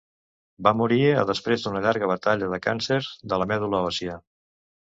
Va morir a després d'una llarga batalla de càncer de la medul·la òssia.